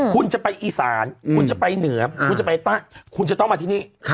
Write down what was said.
คุณจะไปอีสานคุณจะไปเหนือคุณจะไปใต้คุณจะต้องมาที่นี่